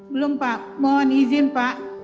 belum pak mohon izin pak